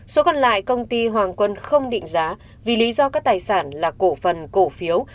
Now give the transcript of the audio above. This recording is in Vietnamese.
số còn lại công ty hoàng quân không định giá vì lý do các tài sản là cổ phần cổ phiếu